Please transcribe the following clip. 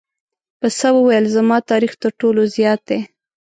پسه وویل زما تاریخ تر ټولو زیات دی.